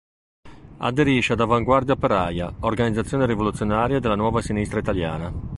Aderisce ad Avanguardia Operaia, organizzazione rivoluzionaria della nuova sinistra italiana.